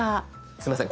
すいません